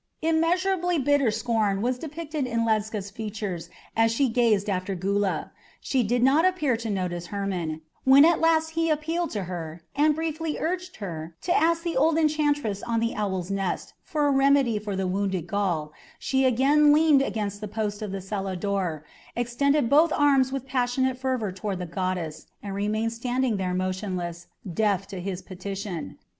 Immeasurably bitter scorn was depicted in Ledscha's features as she gazed after Gula. She did not appear to notice Hermon, and when at last he appealed to her and briefly urged her to ask the old enchantress on the Owl's Nest for a remedy for the wounded Gaul, she again leaned against the post of the cella door, extended both arms with passionate fervour toward the goddess, and remained standing there motionless, deaf to his petition.